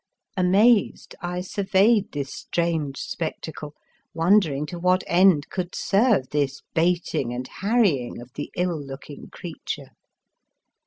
Amazed, I surveyed this strange spectacle, wondering to what end could serve this baiting and harrying of the ill looking creature.